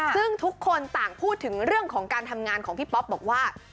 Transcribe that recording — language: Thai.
ซึ่งทุกคนต่างพูดถึงเรื่องของการทำงานของพี่ป๊อปบอกว่า